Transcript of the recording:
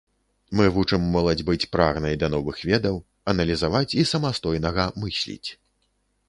Мы вучым моладзь быць прагнай да новых ведаў, аналізаваць і самастойнага мысліць.